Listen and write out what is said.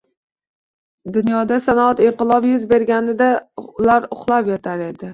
Dunyoda sanoat inqilobi yuz berganida ular uxlab yotar edi